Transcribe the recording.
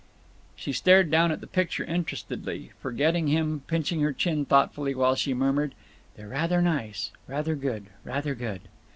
_" She stared down at the picture interestedly, forgetting him, pinching her chin thoughtfully, while she murmured: "They're rather nice. Rather good. Rather good."